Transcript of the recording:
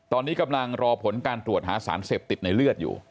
ตอนนี้กำลังรอผลการตรวจหาสารเสพติดในเลือดอยู่